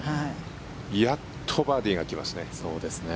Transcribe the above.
やっとバーディーが来ますね。